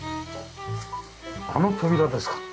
あの扉ですか？